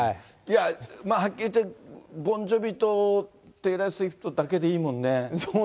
はっきり言って、ボン・ジョヴィとテイラー・スウィフトだけでいいもんね。